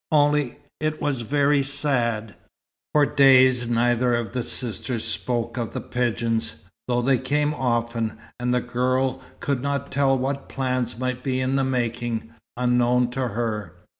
Only it was very sad. For days neither of the sisters spoke of the pigeons, though they came often, and the girl could not tell what plans might be in the making, unknown to her.